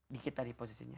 dikit tadi posisinya